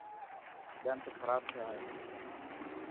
ڏنت کراب ٿيا هي.